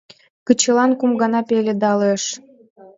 Кечылан кум гана пеледалеш